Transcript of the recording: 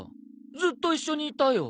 ずっと一緒にいたよ。